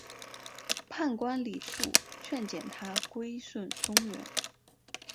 判官李恕劝谏他归顺中原。